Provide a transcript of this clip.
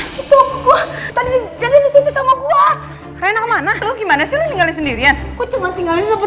lihat lihat ini enggak ren ren ren ren ren ren ren ren kenapa ren kenapa